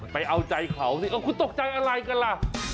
ไปเอาใจเขานี่คุณตกใจอะไรกันล่ะ